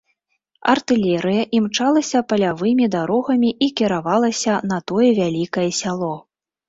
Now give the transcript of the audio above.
Артылерыя імчалася палявымі дарогамі і кіравалася на тое вялікае сяло.